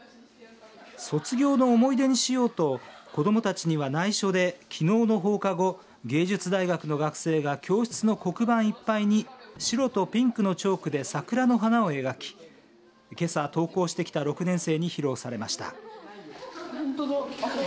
卒業の思い出にしようと子どもたちには、ないしょできのうの放課後芸術大学の学生が教室の黒板いっぱいに白とピンクのチョークで桜の花を描きけさ登校してきた６年生に披露されました。